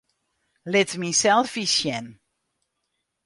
Lit myn selfies sjen.